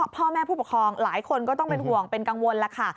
พ่อแม่ผู้ปกครองหลายคนก็ต้องเป็นห่วงเป็นกังวลแล้วค่ะ